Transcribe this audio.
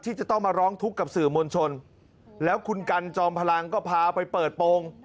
จะต้องมาร้องทุกข์กับสื่อมวลชนแล้วคุณกันจอมพลังก็พาไปเปิดโปรง